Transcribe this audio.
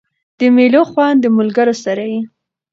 د مېلو خوند د ملګرو سره يي.